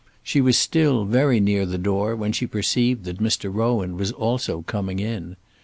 She was still very near the door when she perceived that Mr. Rowan was also coming in.